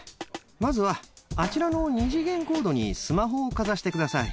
まずは、あちらの２次元コードに、スマホをかざしてください。